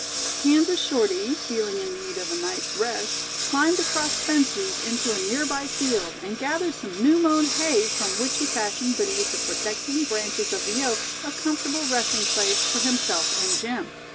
Kansas Shorty feeling in need of a night's rest, climbed across fences into a nearby field and gathered some new mown hay from which he fashioned beneath the protecting branches of the oak a comfortable resting place for himself and Jim.